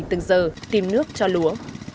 từng giờ tìm nước cho lúa